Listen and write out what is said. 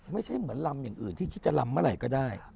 ไม่ใช่เหมือนลำอย่างอื่นที่คิดจะลำเมื่อไหร่ก็ได้